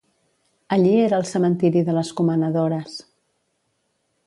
Allí era el cementiri de les comanadores.